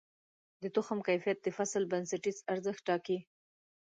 د تخم کیفیت د فصل بنسټیز ارزښت ټاکي.